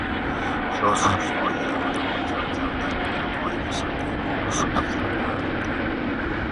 جاسوسهای آنها کمکم در نیروهای مسلح ما رسوخ کردند.